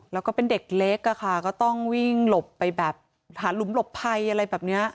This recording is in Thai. แล้วก็เป็นเด็กเล็กอะค่ะก็ต้องวิ่งหลบไปแบบหาหลุมหลบภัยอะไรแบบนี้